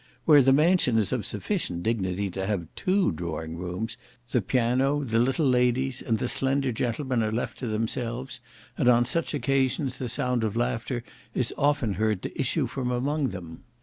Where the mansion is of sufficient dignity to have two drawing rooms, the piano, the little ladies, and the slender gentlemen are left to themselves, and on such occasions the sound of laughter is often heard to issue from among them.